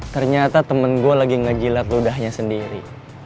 ternyata temen gue lagi ngejilat ludahnya sendiri